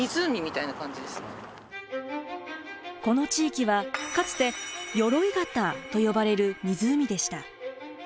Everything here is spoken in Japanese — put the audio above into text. この地域はかつて「鎧潟」と呼ばれる湖でした。